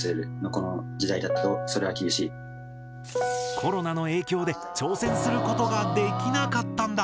コロナの影響で挑戦することができなかったんだ。